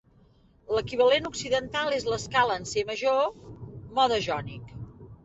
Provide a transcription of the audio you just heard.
L'equivalent occidental és l'escala en C major, "mode jònic".